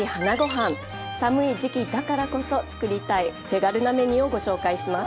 寒い時期だからこそ作りたい手軽なメニューをご紹介します。